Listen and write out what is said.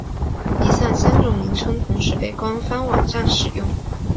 以上三种名称同时被官方网站使用。